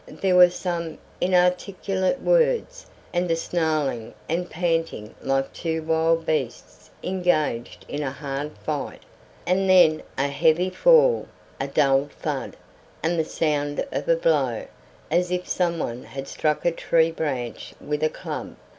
There were some inarticulate words, and a snarling and panting like two wild beasts engaged in a hard fight, and then a heavy fall, a dull thud, and the sound of a blow, as if some one had struck a tree branch with a club.